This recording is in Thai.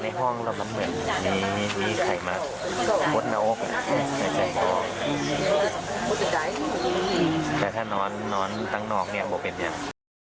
ในใจหมอแต่ถ้านอนตั้งนอกมันเป็นอย่าง